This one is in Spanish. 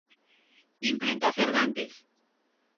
Imprenta Cervantes.